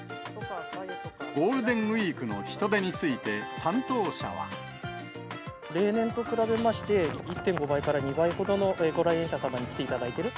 ゴールデンウィークの人出に例年と比べまして、１．５倍から２倍ほどのご来園者様に来ていただいている。